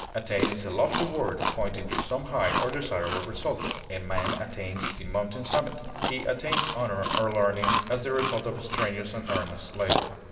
Attain is a lofty word, pointing to some high or desirable result; a man attains the mountain summit, he attains honor or learning as the result of strenuous and earnest labor.